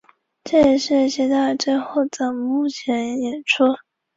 这也是齐达内最后的幕前演出。